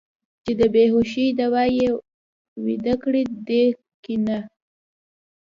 چې د بې هوشۍ دوا یې ویده کړي دي که نه.